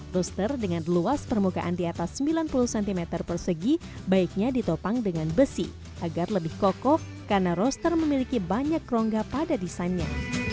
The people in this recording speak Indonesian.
roster dengan luas permukaan di atas sembilan puluh cm persegi baiknya ditopang dengan besi agar lebih kokoh karena roster memiliki banyak rongga pada desainnya